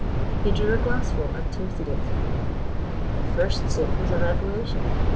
He drew a glassful and tasted it. The first sip was a revelation.